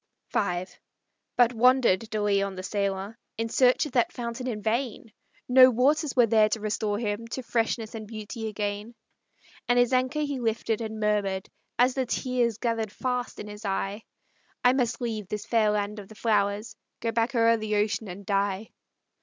V But wandered De Leon, the sailor, In search of that fountain in vain; No waters were there to restore him To freshness and beauty again. And his anchor he lifted, and murmured, As the tears gathered fast in his eye, "I must leave this fair land of the flowers, Go back o'er the ocean, and die."